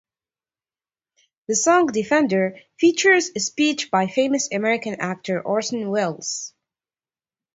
The song "Defender" features a speech by famous American actor Orson Welles.